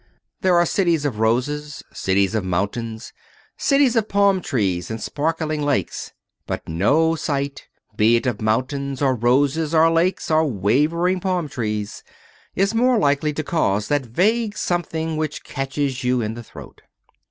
There are cities of roses, cities of mountains, cities of palm trees and sparkling lakes; but no sight, be it of mountains, or roses, or lakes, or waving palm trees, is more likely to cause that vague something which catches you in the throat.